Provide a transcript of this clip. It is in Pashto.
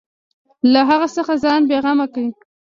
له هغه څخه ځان بېغمه کړي.